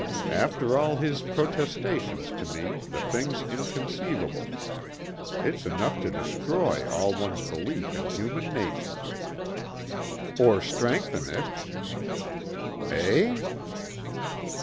After all his protestations to me the thing's inconceivable. It's enough to destroy all one's belief in human nature." "Or strengthen it." "Eh?"